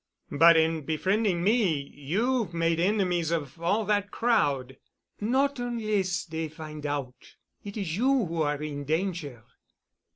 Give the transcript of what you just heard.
"But in befriending me you've made enemies of all that crowd——" "Not onless dey find out. It is you who are in danger.